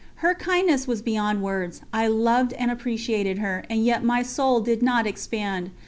Her kindness was beyond words, I loved and appreciated her, and yet my soul did not expand.